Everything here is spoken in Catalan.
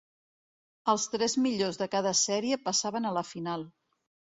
Els tres millors de cada sèrie passaven a la final.